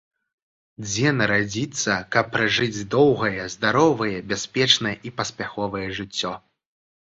Дзе нарадзіцца, каб пражыць доўгае, здаровае, бяспечнае і паспяховае жыццё.